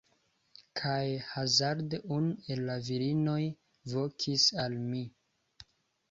Kaj hazarde unu el la virinoj vokis al mi